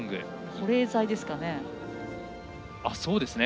保冷材ですかね。